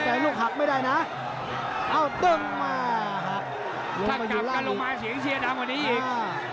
แต่ลูกหักไม่ได้นะเอ้าตึ้งมาหักถ้าจับกันลงมาเสียงเชียร์ดังกว่านี้อีก